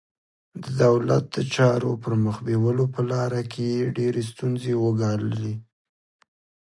د دولت د چارو پر مخ بیولو په لاره کې یې ډېرې ستونزې وګاللې.